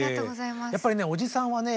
やっぱりねおじさんはね